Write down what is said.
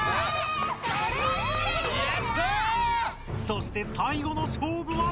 そして最後の勝負は！？